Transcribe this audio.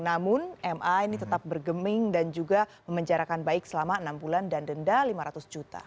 namun ma ini tetap bergeming dan juga memenjarakan baik selama enam bulan dan denda lima ratus juta